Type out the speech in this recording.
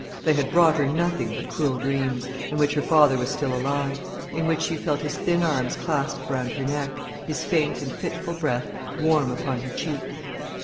They had brought her nothing but cruel dreams, in which her father was still alive; in which she felt his thin arms clasped round her neck, his faint and fitful breath warm upon her cheek.